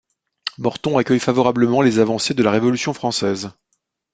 Morton accueille favorablement les avancées de la Révolution française.